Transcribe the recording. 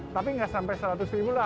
tapi nggak sampai seratus ribu lah